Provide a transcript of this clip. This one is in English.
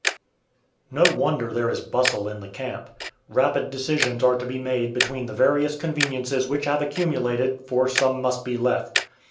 No wonder there is bustle in the camp. Rapid decisions are to be made between the various conveniences which have accumulated, for some must be left.